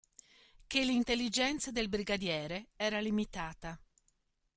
Ché l'intelligenza del brigadiere era limitata.